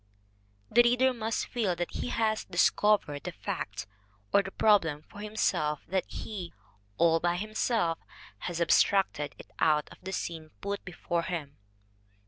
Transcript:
The reader must feel that he has discovered the fact or the prob lem for himself, that he, all by himself, has abstracted it out of the scenes put before him.